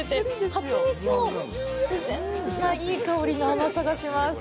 蜂蜜の自然ないい香りの甘さがします。